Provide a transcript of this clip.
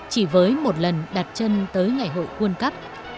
chỉ với một lần đặt chân tới ngày hội world cup